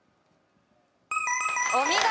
お見事。